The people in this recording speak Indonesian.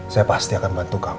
saya pasti akan bantu kamu